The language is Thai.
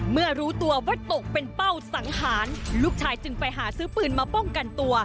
เมื่อรู้ตัวว่าตกเป็นเป้าสังหารลูกชายจึงไปหาซื้อปืนมาป้องกันตัว